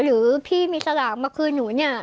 หรือพี่มีสลากมาคืนหนูเนี่ย